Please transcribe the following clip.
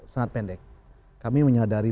sangat pendek kami menyadari